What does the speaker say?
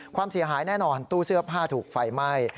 ความเสียหายแน่นอนตู้เสื้อผ้าถูกไฟไหม้